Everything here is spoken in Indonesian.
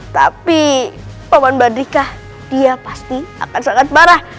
tapi pak man badrika dia pasti akan sangat parah